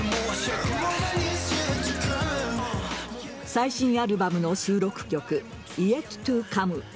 最新アルバムの収録曲「ＹｅｔＴｏＣｏｍｅ」